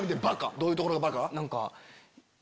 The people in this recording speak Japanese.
どういうところがバカ？